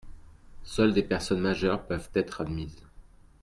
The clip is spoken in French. seules des personnes majeures peuvent être admises.